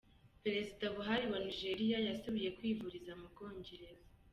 Perezida Buhari wa Nigeria yasubiye kwivuriza mu Bwongereza .